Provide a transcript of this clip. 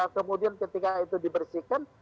kemudian ketika itu dibersihkan